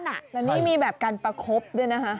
แต่นี่มีแบบการประคบด้วยนะคะ